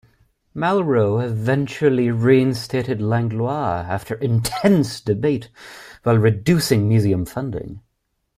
Malraux eventually reinstated Langlois after intense debate, while reducing museum funding.